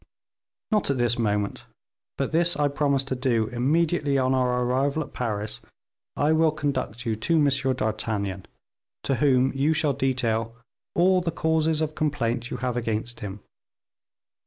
"Not at this moment; but this I promise to do; immediately on our arrival at Paris I will conduct you to M. d'Artagnan, to whom you shall detail all the causes of complaint you have against him.